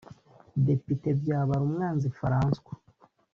Depite Byabarumwanzi François